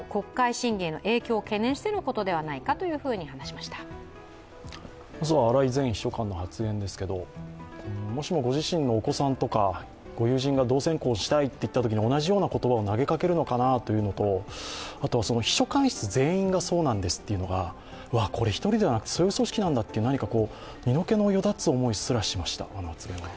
まずは荒井前秘書官の発言ですけど、もしもご自身のお子さんとかご友人が同性婚したいと言ったときに同じような言葉を投げかけるのかなというのと秘書官室全員がそうなんですというのが、１人ではなく、そういう組織なんだという、身の毛のよだつような気がしました。